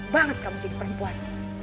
banget kamu jadi perempuan